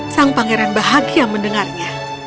sang pangeran bahagia mendengarnya